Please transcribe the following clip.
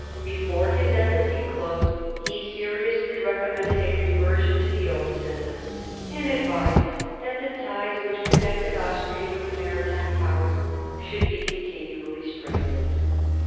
Before his embassy closed he seriously recommended a reversion to the old system, and advised that the ties which connected Austria with the Maritime Powers should be continually strengthened.